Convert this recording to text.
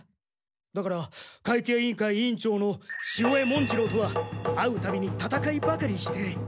だから会計委員会委員長の潮江文次郎とは会うたびにたたかいばかりして。